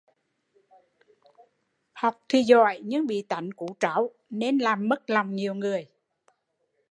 Học thì giỏi nhưng bị tánh cú tráu nên làm mất lòng nhiều người